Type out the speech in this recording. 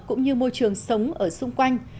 cũng như môi trường sống ở xung quanh